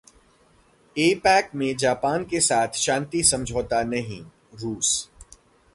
APEC में Japan के साथ शांति समझौता नहीं: रूस